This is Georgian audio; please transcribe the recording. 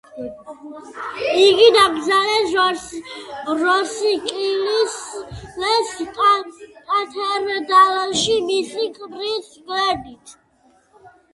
იგი დაკრძალეს როსკილეს კათედრალში, მისი ქმრის გვერდით.